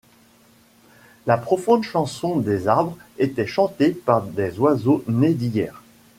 La profonde chanson des arbres était chantée par des oiseaux nés d’hier.